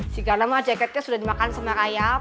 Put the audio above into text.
sikar nama jaketnya sudah dimakan sama kayak ayap